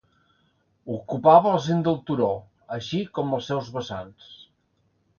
Ocupava el cim del turó, així com els seus vessants.